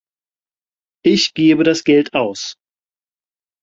Ich gebe das Geld aus.